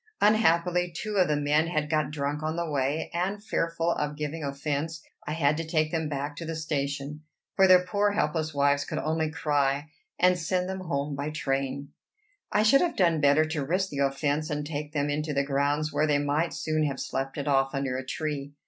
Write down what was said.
Unhappily, two of the men had got drunk on the way; and, fearful of giving offence, I had to take them back to the station. for their poor helpless wives could only cry, and send them home by train. I should have done better to risk the offence, and take them into the grounds, where they might soon have slept it off under a tree.